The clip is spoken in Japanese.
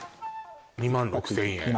２６０００円